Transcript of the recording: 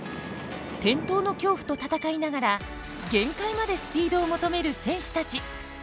転倒の恐怖と戦いながら限界までスピードを求める選手たち。